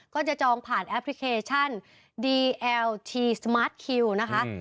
จองผ่านแอปพลิเคชันดีเอลทีสมาร์ทคิวนะคะ